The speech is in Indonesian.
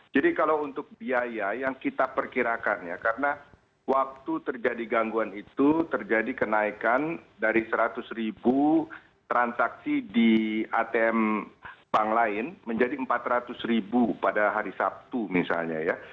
jadi kalau untuk biaya yang kita perkirakan ya karena waktu terjadi gangguan itu terjadi kenaikan dari seratus ribu transaksi di atm bank lain menjadi empat ratus ribu pada hari sabtu misalnya ya